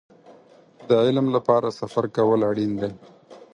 د علم لپاره سفر کول اړين دی.